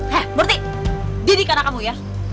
hei murti didik anak kamu ya